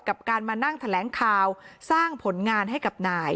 กับการมานั่งแถลงข่าวสร้างผลงานให้กับนาย